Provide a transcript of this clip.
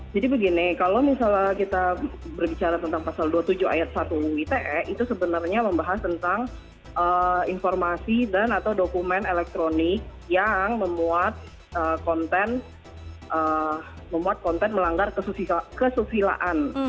jadi begini kalau misalnya kita berbicara tentang pasal dua puluh tujuh ayat satu undang undang ite itu sebenarnya membahas tentang informasi dan atau dokumen elektronik yang memuat konten melanggar kesusilaan